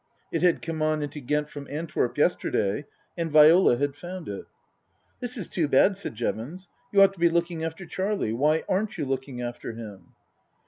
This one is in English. It had come on into Ghent from Antwerp yesterday, and Viola had found it. " This is too bad," said Jevons. " You ought to be looking after Charlie. Why aren't you looking after him